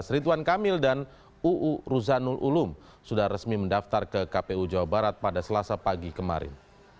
rituan kamil dan uu ruzanul ulum sudah resmi mendaftar ke kpu jawa barat pada selasa pagi kemarin